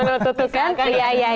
oke jadi jauh